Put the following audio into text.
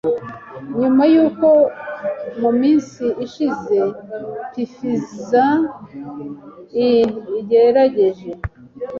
nyuma y’uko mu minsi ishize Pfizer Inc igerageje